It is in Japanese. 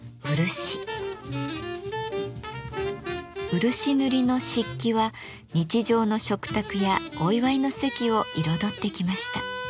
漆塗りの漆器は日常の食卓やお祝いの席を彩ってきました。